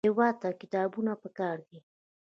هېواد ته کتابونه پکار دي